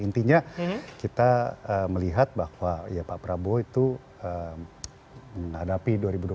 intinya kita melihat bahwa pak prabowo itu menghadapi dua ribu dua puluh